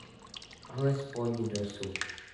Alespoň dosud.